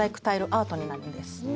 アートになるんです。